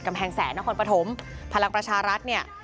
กำแพงแสนนครปฐมพลังประชารัฐเนี่ย